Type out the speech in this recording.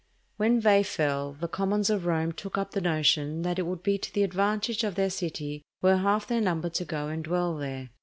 When Veii fell, the commons of Rome took up the notion that it would be to the advantage of their city were half their number to go and dwell there.